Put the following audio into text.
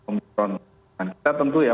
pemurahan kita tentu ya